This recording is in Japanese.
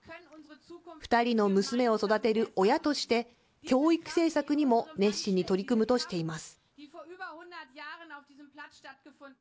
２人の娘を育てる親として、教育政策にも熱心に取り組むとしています。